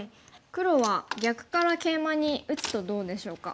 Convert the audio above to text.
黒は逆からケイマに打つとどうでしょうか？